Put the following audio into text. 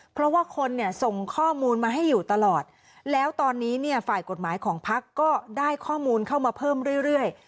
เพราะว่าคนเนี่ยส่งข้อมูลมาให้อยู่ตลอดแล้วตอนนี้เนี่ยฝ่ายกฎหมายของพักก็ได้ข้อมูลเข้ามาเพิ่มเรื่อย